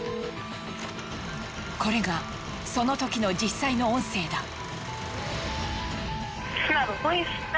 これがそのときの実際の音声だ。